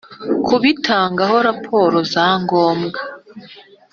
kubitangaho raporo za ngombwa